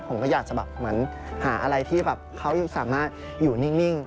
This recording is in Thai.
ผมก็อยากจะแบบเหมือนหาอะไรที่แบบเขาสามารถอยู่นิ่ง